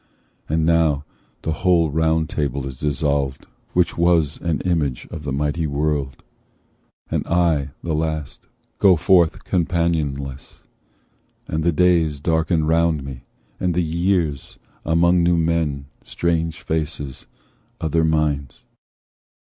But now the whole Round Table is dissolved Which was an image of the mighty world, And I, the last, go forth companionless, And the days darken round me, and the years, Among new men, strange faces, other minds."